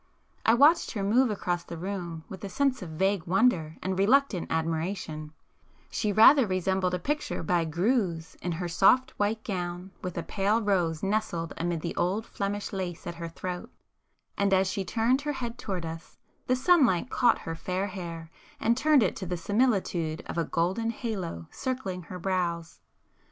I watched her move across the room with a sense of vague wonder and reluctant admiration,—she rather resembled a picture by Greuze in her soft white gown with a pale rose nestled amid the old Flemish lace at her throat,—and as she turned her head towards us, the sunlight caught her fair hair and turned it to the similitude of a golden halo circling her brows.